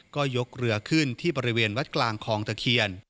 ก็ยกเรือขึ้นที่บริเวณวัดกลางคลองตะเคียน